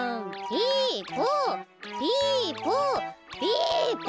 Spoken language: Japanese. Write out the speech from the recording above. ピポピポ。